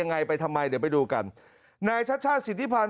อ๋ออันนี้ฝั่งขวานี่คู่ชิง